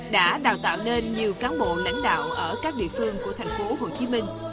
đã đào tạo nên nhiều cán bộ lãnh đạo ở các địa phương của thành phố hồ chí minh